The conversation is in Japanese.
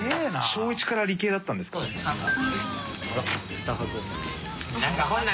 小１から理系だったんですかあら！